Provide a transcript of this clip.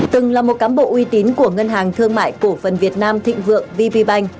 từng là một cám bộ uy tín của ngân hàng thương mại cổ phần việt nam thịnh vượng vp bank